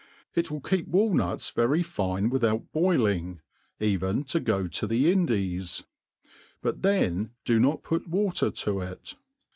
It will keep walnuts very fine without boiling, even to go to the Indies ; but then do not put water to it.